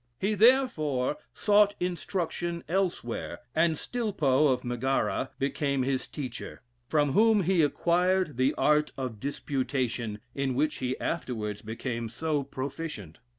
He therefore sought instruction elsewhere, and Stilpo, of Megara, became his teacher, from whom he acquired the art of disputation, in which he afterwards became so proficient.